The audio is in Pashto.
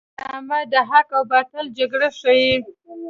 ډرامه د حق او باطل جګړه ښيي